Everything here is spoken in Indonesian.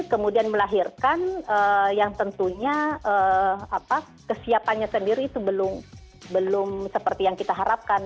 jadi kemudian melahirkan yang tentunya kesiapannya sendiri itu belum seperti yang kita harapkan